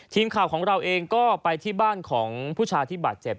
ทีมข่าวของเราเองก็ไปที่บ้านของผู้ชายที่บาดเจ็บ